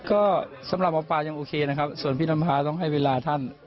ก็สำหรับหมอปลายังโอเคนะครับส่วนพี่น้ำฟ้าต้องให้เวลาท่าน